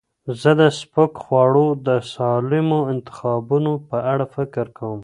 زه د سپک خواړو د سالمو انتخابونو په اړه فکر کوم.